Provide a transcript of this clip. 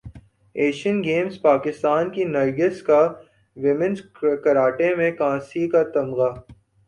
Asian games Pakistan کی نرگس کا women's karate میں کانسی کا تمغہ